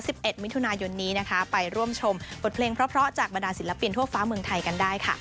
เอ็ดมิถุนายนนี้นะคะไปร่วมชมบทเพลงเพราะเพราะจากบรรดาศิลปินทั่วฟ้าเมืองไทยกันได้ค่ะ